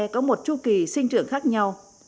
có một chu kỳ sinh trưởng khác nhau